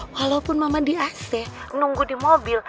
walaupun mama di ac nunggu di mobil